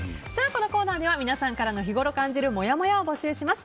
このコーナーでは皆さんからの日頃感じるもやもやを募集します。